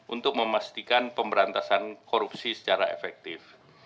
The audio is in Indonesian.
untuk memastikan pemberantasan korupsi secara efektif